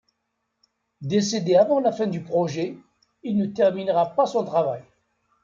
Décédé avant la fin du projet, il ne terminera pas son travail.